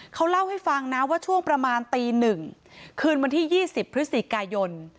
เขาเล่าให้ฟังนะว่าช่วงประมาณตี๑คืนวันที่๒๐พฤศจิกายน